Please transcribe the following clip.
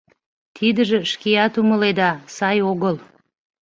Тидыже, шкеат умыледа, сай огыл.